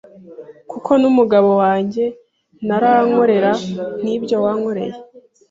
kuko n'umugabo wajye ntarankorera nk'ibyo wankoreye.